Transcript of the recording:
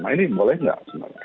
nah ini boleh nggak